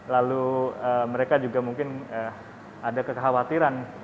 lalu mereka juga mungkin ada kekhawatiran